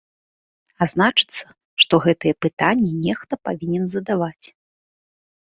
А значыцца, што гэтыя пытанні нехта павінен задаваць.